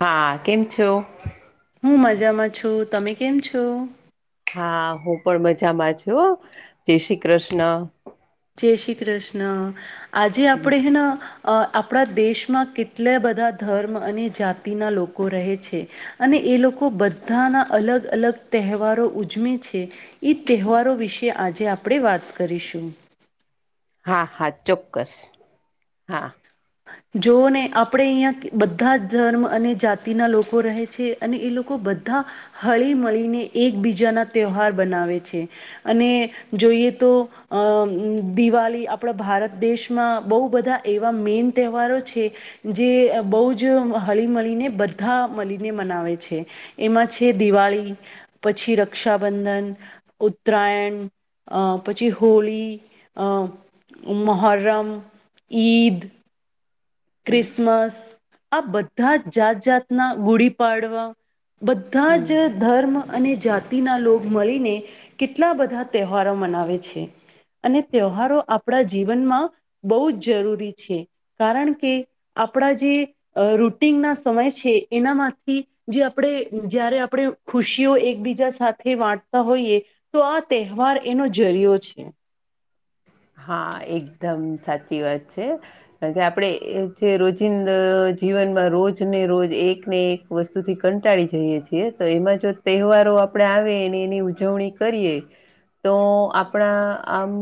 હા કેમ છો? હું મજામાં છું. તમે કેમ છો? હા હું પણ મજામાં છું. જય શ્રી કૃષ્ણ. જય શ્રી કૃષ્ણ. આજે આપડે હેન અ આપણા દેશમાં કેટલા બધા ધર્મ અને જાતિના લોકો રહે છે. અને એ લોકો બધાના અલગ અલગ તહેવારો ઉજમે છે. ઈ તહેવારો વિશે આજે આપણે વાત કરીશું. હા હા ચોક્કસ હા. જોવો ને આપણેે અહીંયા બધા જ ધર્મ અને જાતિના લોકો રહે છે. અને એ લોકો બધા હળી મળીને એકબીજાના તહેવાર બનાવે છે. અને જોઈએ તો અ દિવાળી આપડા ભારત દેશમાં બહુ બધા એવા મેન તહેવારો છે. જે બહુ જ હળી મળીને બધા મળીને મનાવે છે. એમાં છે દિવાળી, પછી રક્ષાબંધન, ઉત્તરાયણ, અ પછી હોળી, અ મહોરમ, ઈદ, હમ ક્રિસમસ આ બધા જાત જાતના, ગુડીપડવા, બધા હમ જ ધર્મ અને જાતિના લોગ મળીને કેટલા બધા તહેવારો મનાવે છે. અને તહેવારો આપડા જીવનમાં બહુ જ જરૂરી છે કારણ કે આપડા જે રૂટિનના સમય છે એનામાંથી જે આપડે જયારે આપડે ખુશીઓ એકબીજા સાથે વાંટતા હોઈએ તો આ તહેવાર એનો જરિયો છે. હા એકદમ સાચી વાત છે. કારણ કે આપડે જે રોજિંદા જીવનમાં રોજ ને રોજ એક ને એક વસ્તુથી કંટાળી જઈએ છીએ તો એમાં જો તહેવારો આપડે આવે અને એની ઉજવણી કરીએ તો આપણા આમ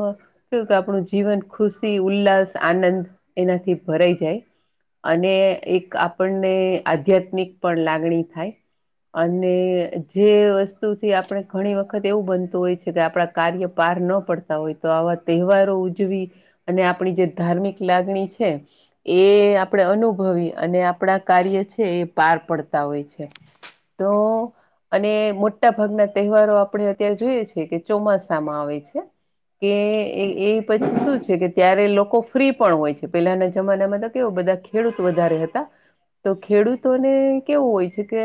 કેવું આપડુ જીવન ખુશી ઉલ્લાસ આનંદ એનાથી ભરાઈ જાય. અને એક આપણને આધ્યાત્મિક પણ લાગણી થાય. અને જે વસ્તુથી આપણે ઘણી વખત એવું બનતું હોય છે કે આપડા કાર્ય પાર ન પડતા હોય તો આવા તહેવારો ઉજવી અને આપણી જે ધાર્મિક લાગણી છે. એ આપડે અનુભવી અને આપડા કાર્ય છે એ પાર પડતા હોય છે. તો અને મોટા ભાગના તહેવારો આપડે અત્યારે જોઈએ છે કે ચોમાસામાં આવે છે. કે એ એ પછી શું છે કે ત્યારે લોકો ફ્રી પણ હોય છે પેલાના જમાનામાં તો કેવો બધા ખેડૂત વધારે હતા તો ખેડૂતોને કેવું હોય છે કે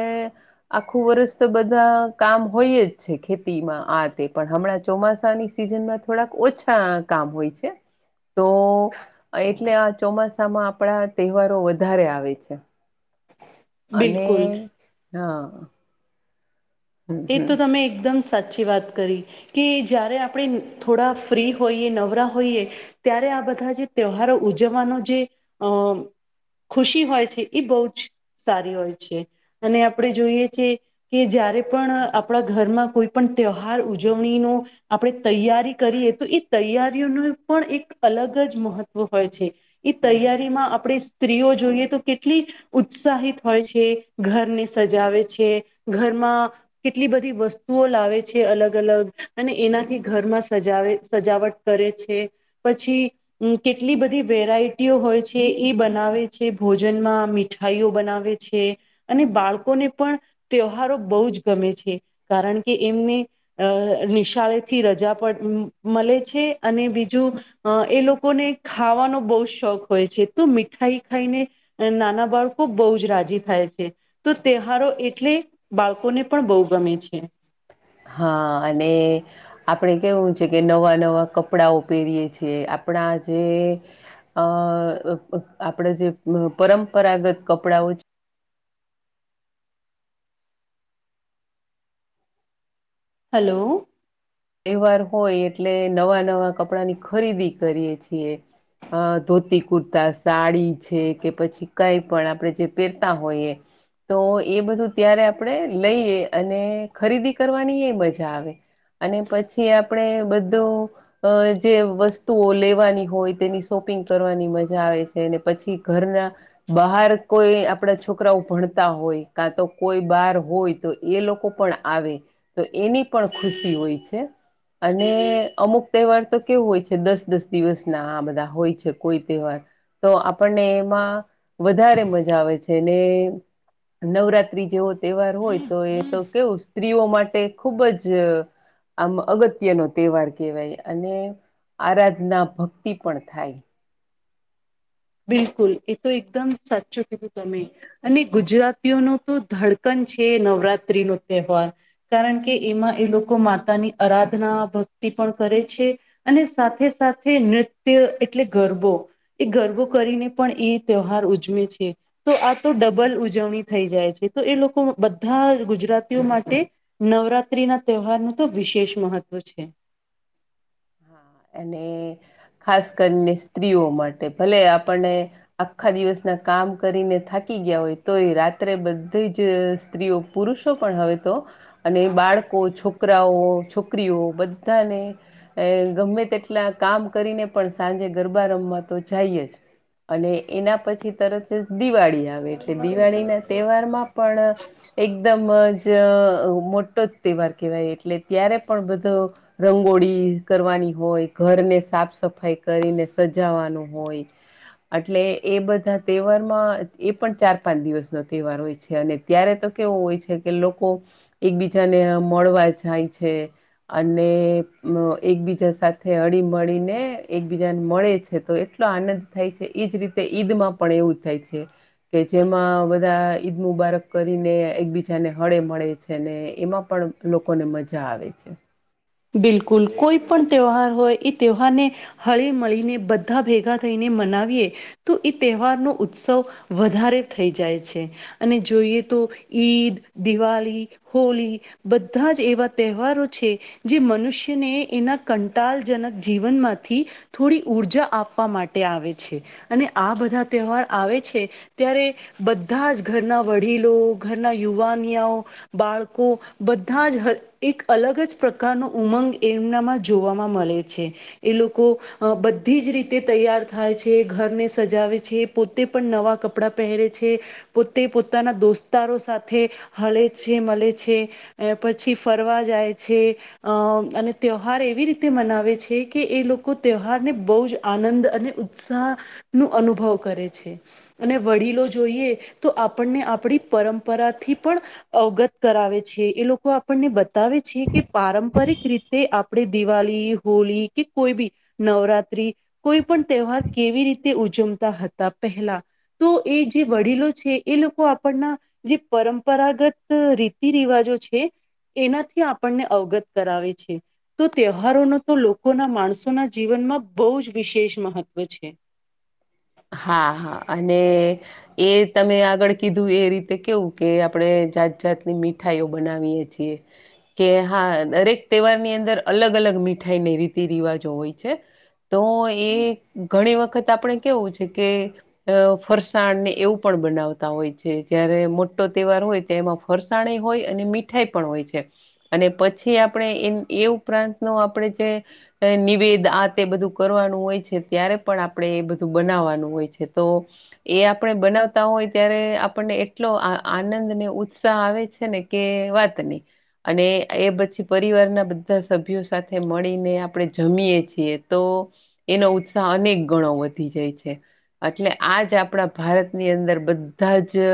આખું વર્ષ તો બધા કામ હોય જ છે ખેતીમાં આ તે પણ હમણાં ચોમાસાની સિઝનમાં થોડાક ઓછા કામ હોય છે તો એટલે આ ચોમાસામાં આપડા તહેવારો વધારે આવે છે. અને બિલકુલ હા હમ તે હમ તો તમે એકદમ સાચી વાત કરી કે જ્યારે આપડે થોડા ફ્રી હોઈએ નવરા હોઈએ. ત્યારે આ બધા જે તહેવારો ઉજવવાનો જે અ ખુશી હોય છે એ બહુ જ સારી હોય છે અને આપડે જોઈએ છે કે જ્યારે પણ આપડા ઘરમાં કોઈ પણ તહેવાર ઉજવણીનો આપડે તૈયારી કરીએ તો એ તૈયારીઓનું પણ એક અલગ જ મહત્વ હોય છે. એ તૈયારી માં આપડે સ્ત્રીઓ જોઈએ તો કેટલી ઉત્સાહિત હોય છે ઘરને સજાવે છે ઘરમાં કેટલી બધી વસ્તુઓ લાવે છે અલગ અલગ અને એનાથી ઘરમાં સજાવે સજાવટ કરે છે પછી અમ કેટલી બધી વેરાયટીઓ હોય છે એ બનાવે છે ભોજનમાં મીઠાઈઓ બનાવે છે અને બાળકો ને પણ ત્યહારો બઉ જ ગમે છે કારણ કે એમને અ નિશાળેથી રજા પડ મળે છે અને બીજું અ એ લોકોને ખાવાનો બહુ શોખ હોય છે તો મીઠાઈ ખાઈને નાના બાળકો બઉ જ રાજી થાય છે. તો તહેવારો એટલે બાળકોને પણ બહુ ગમે છે. હા અને આપણે કેવું છે કે નવાં નવાં કપડાંઓ પહેરીએ છીએ, આપણા જે અ આપડે જે પરંપરાગત કપડાઓ હાલો. તહેવાર હોય એટલે નવા નવા કપડા ની ખરીદી કરીએ છીએ. અ ધોતી, કુર્તા, સાડી છે કે પછી કઈ પણ આપણે જે પહેરતા હોઈએ. તો એ બધું ત્યારે આપણે લઈએ અને ખરીદી કરવાની એ મજા આવે. અને પછી આપણેે બધું અ જે વસ્તુઓ લેવાની હોય તેની શોપિંગ કરવાની મજા આવે છે અને પછી ઘરના બહાર કોઈ આપણા છોકરાઓ ભણતા હોય કાં તો કોઈ બહાર હોય તો એ લોકો પણ આવે તો એની પણ ખુશી હોય છે. અને અમુક તહેવાર તો કેવું હોય છે દસ દસ દિવસ ના આ બધા હોય છે કોઈ તહેવાર. તો આપણને એમાં વધારે મજા આવે છે ને નવરાત્રી જેવો તહેવાર હોય તો, એ તો કેવું સ્ત્રીઓ માટે ખુબ જ આમ અગત્યનો તહેવાર કહેવાય અને આરાધના ભક્તિ પણ થાય. બિલકુલ, એ તો એકદમ સાચું કીધું તમે. અને ગુજરાતીઓ ન તો ધડકન છે, નવરાત્રી નો તહેવાર. કારણ કે એમાં એ લોકો માતાની આરાધના, ભક્તિ પણ કરે છે. અને સાથે સાથે નૃત્ય એટલે ગરબો. એ ગરબો કરીને પણ એ તહેવાર ઉજવે છે. તો આ તો ડબલ ઉજવણી થઈ જાય છે. તો એ લોકો બધા ગુજરાતીઓ માટે નવરાત્રી ના તહેવાર ન તો વિશેષ મહત્વ છે. અને ખાસ કરીને સ્ત્રીઓ માટે, ભલે આપણને આખા દિવસના કામ કરીને થાકી ગયા હોય, તો એ રાત્રે બધી જ સ્ત્રીઓ પુરુષો પણ હવે તો. અને બાળકો, છોકરાઓ, છોકરીઓ બધાને અ ગમે તેટલા કામ કરીને પણ સાંજે ગરબા રમવા તો જાઈ જ. અને એના પછી તરત જ દિવાળી આવે. એટલે દિવાળી ના તહેવારમાં પણ એકદમ જ મોટો જ તહેવાર કહેવાય એટલે ત્યારે પણ બધો રંગોળી કરવાની હોય, ઘરને સાફ સફાઈ કરીને સજાવાનું હોય. એટલે એ બધા તહેવારમાં એ પણ ચાર પાંચ દિવસનો તહેવાર હોય છે અને ત્યારે તો કેવું હોય છે કે લોકો એકબીજાને મળવા જાય છે. અને અ એકબીજા સાથે અળી મળીને એકબીજાને મળે છે. તો એટલો આનંદ થાય છે, ઈજ રીતે ઈદ માં પણ એવું થાય છે. કે જેમાં બધા ઈદ મુબારક કરીને, એકબીજાને હળે મળે છે ને એમાં પણ લોકોને મજા આવે છે. બિલકુલ, કોઈ પણ તહેવાર હોય, એ તહેવારને હળી મળીને, બધા ભેગા થઈને મનાવીએ તો એ તહેવારનો ઉત્સવ વધારે થઈ જાય છે. અને જોઈએ તો ઈદ, દિવાળી હોળી બધા જ એવા તહેવારો છે. જે મનુષ્યને એના કંટાલજનક જીવનમાંથી થોડી ઉર્જા આપવા માટે આવે છે અને આ બધા તહેવાર આવે છે ત્યારે બધા જ ઘરના વડીલો, ઘરના યુવાનિયાઓ બાળકો બધા જ એક અલગ જ પ્રકારનો ઉમંગ એમનામાં જોવામાં મળે છે. એ લોકો બધી જ રીતે તૈયાર થાય છે, ઘરને સજાવે છે પોતે પણ નવાં કપડાં પહેરે છે. પોતે પોતાના દોસ્તારો સાથે હળે છે મળે છે. પછી ફરવા જાય છે. અ અને તહેવાર એવી રીતે મનાવે છે કે એ લોકો તહેવારને બહુ જ આનંદ અને ઉત્સાહ નું અનુભવ કરે છે. અને વડીલો જોઈએ તો આપણને આપણી પરંપરાથી પણ અવગત કરાવે છે એ લોકો આપણને બતાવે છે. કે પારંપરિક રીતે આપણે દિવાળી હોળી કે કોઈ બી નવરાત્રી કોઈ પણ તહેવાર કેવી રીતે ઉજવતા હતા પહેલા તો એ જે વડીલો છે એ લોકો આપણના. જે પરંપરાગત રીતિ રિવાજો છે એનાથી આપ આપણને અવગત કરાવે છે. તો તહેવારોનો તો લોકોના માણસોના જીવનમાં બહુ જ વિશેષ મહત્વ છે. હા હા અને એ તમે આગળ કીધું એ રીતે કેવું કે આપણે જાત જાતની મી મિઠાઈઓ બનાવીએ છીએ. કે હા દરેક તહેવાર ની અંદર અલગ અલગ મીઠાઈ ને રીતિ રિવાજો હોય છે. તો એ ઘણી વખત આપણે કેવું છે કે અ ફરસાણ ને એવું પણ બનાવતા હોય છે જયારે મોટો તહેવાર હોય તો એમાં ફરસાણ હોય અને મીઠાઈ પણ હોય છે. અને પછી આપણે એ એ ઉપરાંત નુ આપણે જે નિવેદ આ તે બધું કરવાનું હોય છે ત્યારે પણ આપડે એ બધું બનાવવાનું હોય છે તો એ આપણે બનાવતા હોય ત્યારે આપણને એટલો આનંદ ને ઉત્સાહ આવે છે ને કે વાતની અને એ પછી પરિવારના બધા સભ્યો સાથે મળીને આપણે જમીએ છીએ તો એનો ઉત્સાહ અનેક ગણો વધી જાય છે. એટલે આજ આપણા ભારતની અંદર બધા જ અ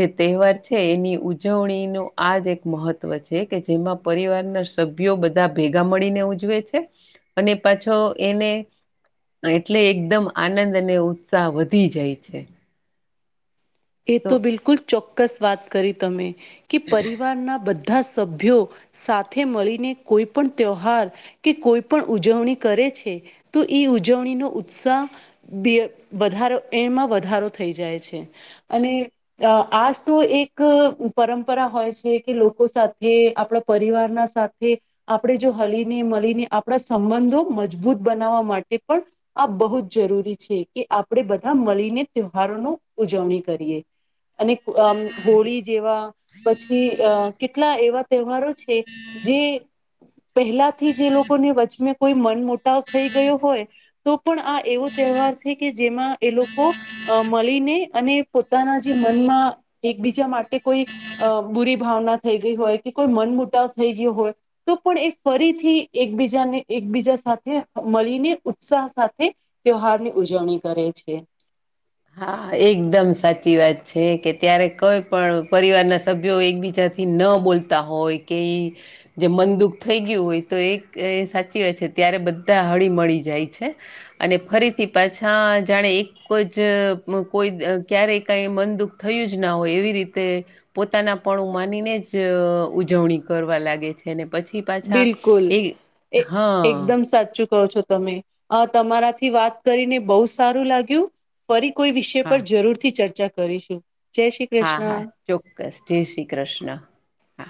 જે તહેવાર છે એની ઉજવણી નુ આજ એક મહત્વ છે કે જેમાં પરિવાર ના સભ્યો બધા ભેગા મળીને ઉજવે છે. અને પાછો એને એટલે એક એકદમ આનંદ અને ઉત્સાહ વધી જાય છે એ તો બિલકુલ ચોક્કસ વાત કરી તમે કે પરિવારના બધા બધા સભ્યો સાથે મળીને કોઈ પણ તહેવાાર કે કોઈ પણ ઉજવણી કરે છે તો ઈ ઉજવણી નો ઉત્સાહ બે વધારો એમાં વધારો થઈ જાય છે અને અ આજ તો એક પરંપરા હોય છે કે લોકો સાથે આપણા પરિવારના સાથે આપણે જો હલીને મળીને આપણા સંબંધો મજબૂત બનાવવા માટે પણ આ બહુ જ જરૂરી છે કે આપણેે બધા મળીને તહેવારોની ઉજવણી કરીએ અને હોળી જેવા પછી કેટલા એવા તહેવારો છે જે પહેલા થી જે લોકોને વચમે કોઈ મન મો પટાવ થઈ ગયો હોય તો પણ આ એવો તહેવાર છે કે જેમાં એ લોકો અ મળીને અને પોતાના જે મનમાં એકબીજા માટે કોઈ અ બુરી ભાવના થઈ ગઈ હોય કે કોઈ મન મુટાવ થઈ ગયો હોય તો પણ એ ફરીથી એકબીજાને એકબીજા સાથે મળીને ઉત્સાહ સાથે તેવહાર ની ઉજવણી કરે છે હા એકદમ સાચી વાત છે કે ત્યારે કોઈ પણ પરિવારના સભ્યો એકબીજા થી ન બોલતા હોય કે જે મનંદુખ થઈ ગયું હોય તો એ એ સાચી વાત છે ત્યારે બધા હળી મળી જાય છે. અને ફરીથી પાછા જાણે એક જ જ કોઈ ક્યારેય કઈ મન દુઃખ થયું જ ના હોય એવી રીતે પોતાના પણું માનીને જ ઉજવણી કરવા લાગે છે. ને પછી પાછ બિલકુલ એ એકદમ સાચું કહો છો તમે. અ તમારાથી વાત કરીને બહુ સારું લાગ્યું. ફરી કોઈ વિષય પર હા જરૂર થી ચર્ચા કરીશું. જય શ્રી હા હા કૃષ્ણ ચોક્કસ જય શ્રી કૃષ્ણ. હા